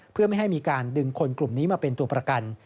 เพื่อไม่ให้มีการดึงคนกลุ่มนี้มาเป็นตัวประกัน